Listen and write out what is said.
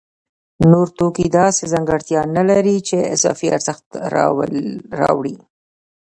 نور توکي داسې ځانګړتیا نلري چې اضافي ارزښت راوړي